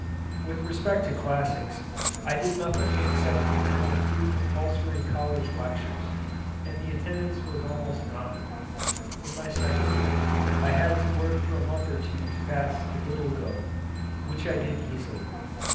With respect to Classics I did nothing except attend a few compulsory college lectures, and the attendance was almost nominal. In my second year I had to work for a month or two to pass the Little Go, which I did easily.